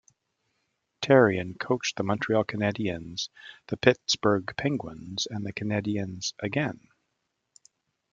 Therrien coached the Montreal Canadiens, the Pittsburgh Penguins and the Canadiens again.